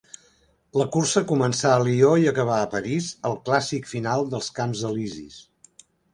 La cursa començà a Lió i acabà a París, al clàssic final dels Camps Elisis.